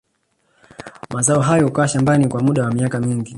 Mazao hayo hukaa shambani kwa muda wa miaka mingi